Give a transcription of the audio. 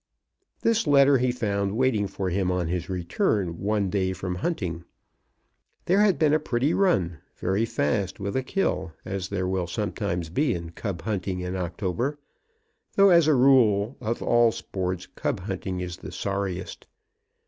This letter he found waiting for him on his return one day from hunting. There had been a pretty run, very fast, with a kill, as there will be sometimes in cub hunting in October, though as a rule, of all sports, cub hunting is the sorriest.